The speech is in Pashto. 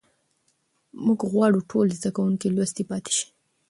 موږ غواړو ټول زده کوونکي لوستي پاتې سي.